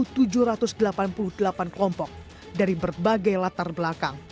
menurutnya ini adalah kehadiran yang terbaik di delapan puluh delapan kelompok dari berbagai latar belakang